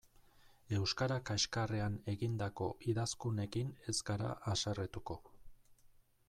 Euskara kaxkarrean egindako idazkunekin ez gara haserretuko.